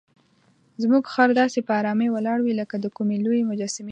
زموږ خر داسې په آرامۍ ولاړ وي لکه د کومې لویې مجسمې جوړول.